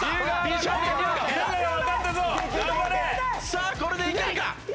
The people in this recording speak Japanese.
さあこれでいけるか？